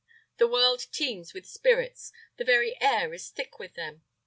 The world teems with spirits: the very air is thick with them.